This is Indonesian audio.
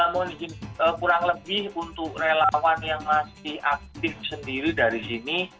mohon izin kurang lebih untuk relawan yang masih aktif sendiri dari sini